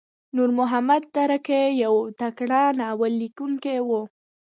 نورمحمد ترهکی یو تکړه ناوللیکونکی وو.